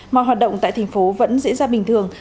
mọi hoạt động tại thành phố vẫn diễn ra bình thường